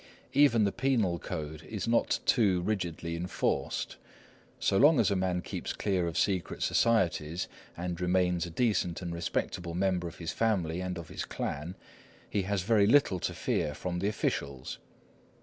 Even the penal code is not too rigidly enforced. So long as a man keeps clear of secret societies and remains a decent and respectable member of his family and of his clan, he has very little to fear from the officials.